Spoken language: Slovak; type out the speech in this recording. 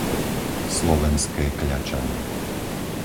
Slovenské Kľačany